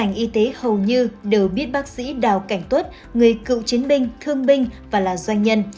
như đều biết bác sĩ đào cảnh tuất người cựu chiến binh thương binh và là doanh nhân